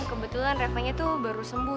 kebetulan reva nya tuh baru sembuh